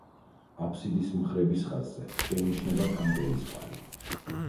აფსიდის მხრების ხაზზე შეინიშნება კანკელის კვალი.